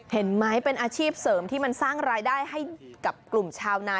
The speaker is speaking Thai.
เห็นไหมเป็นอาชีพเสริมที่มันสร้างรายได้ให้กับกลุ่มชาวนา